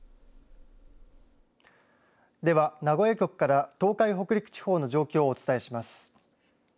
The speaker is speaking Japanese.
では名古屋局から東海、北陸地方の状況をお伝えします。